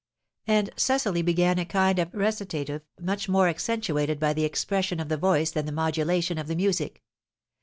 And Cecily began a kind of recitative, much more accentuated by the expression of the voice than the modulation of the music.